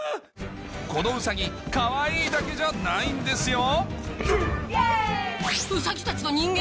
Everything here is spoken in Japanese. このウサギかわいいだけじゃないんですよイェイ！